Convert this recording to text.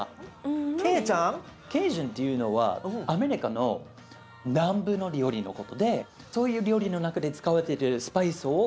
ケイジャンっていうのはアメリカの南部の料理のことでそういう料理の中で使われてるスパイスを焼きそばに入れた。